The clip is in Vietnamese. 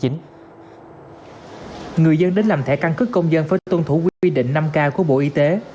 người dân đến làm thẻ căn cứ công dân phải tuân thủ quy định năm k của bộ y tế